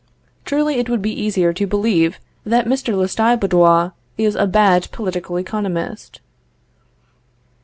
Truly it would be easier to believe that Mr. Lestiboudois is a bad political economist.